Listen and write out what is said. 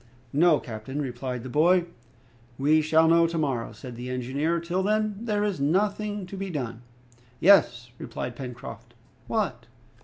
"No, captain," replied the boy. "We shall know to morrow," said the engineer; "till then, there is nothing to be done." "Yes," replied Pencroft. "What?"